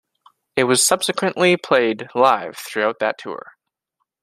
It was subsequently played live throughout that tour.